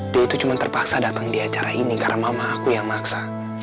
dia itu cuma terpaksa datang di acara ini karena mama aku yang maksa